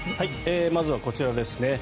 まずはこちらですね。